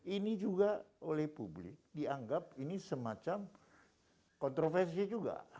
ini juga oleh publik dianggap ini semacam kontroversi juga